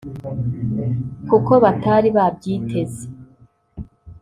kuko batari babyiteze